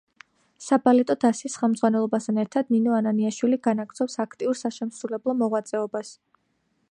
საბალეტო დასის ხელმძღვანელობასთან ერთად ნინო ანანიაშვილი განაგრძობს აქტიურ საშემსრულებლო მოღვაწეობას.